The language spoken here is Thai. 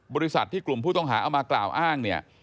บริษัทที่กลุ่มผู้ต้องหาเอามากล่าวอ้างเนี่ย